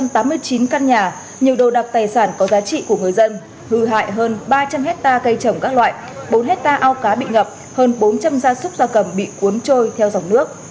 hơn tám mươi chín căn nhà nhiều đồ đạc tài sản có giá trị của người dân hư hại hơn ba trăm linh hectare cây trồng các loại bốn hectare ao cá bị ngập hơn bốn trăm linh gia súc gia cầm bị cuốn trôi theo dòng nước